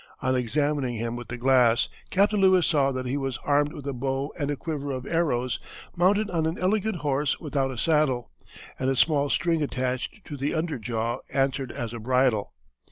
On examining him with the glass, Captain Lewis saw that he was armed with a bow and a quiver of arrows; mounted on an elegant horse without a saddle, and a small string attached to the under jaw answered as a bridle.